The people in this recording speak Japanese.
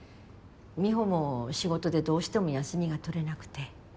美帆も仕事でどうしても休みが取れなくて。